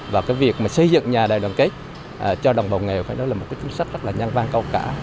và cái việc mà xây dựng nhà đại đoàn kết cho đồng bào nghèo phải nói là một cái chính sách rất là nhan vang cao cả